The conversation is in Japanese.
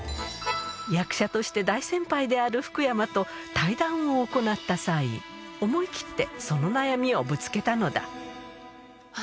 役者として大先輩である福山と対談を行った際、思い切ってその悩福山さん。